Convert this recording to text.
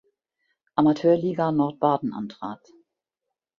Amateurliga Nordbaden antrat.